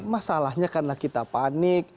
masalahnya karena kita panik